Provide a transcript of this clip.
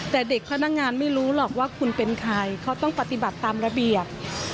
แต่เด็กพนักงานไม่รู้หรอกว่าคุณเป็นใครเขาต้องปฏิบัติตามระเบียบ